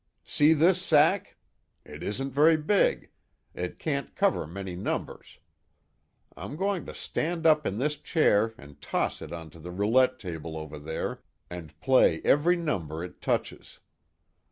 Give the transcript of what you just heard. "See this sack. It isn't very big. It can't cover many numbers. I'm going to stand up in this chair and toss it onto the roulette table over there, and play every number it touches.